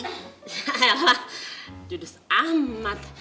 ya elah judus amat